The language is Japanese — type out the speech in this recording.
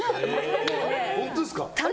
本当ですか。